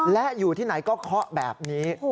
และอยู่ที่ไหนก็เคาะแบบนี้